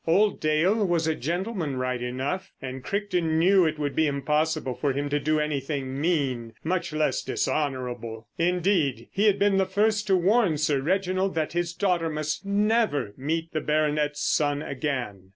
Old Dale was a gentleman right enough, and Crichton knew it would be impossible for him to do anything mean, much less dishonourable. Indeed, he had been the first to warn Sir Reginald that his daughter must never meet the baronet's son again.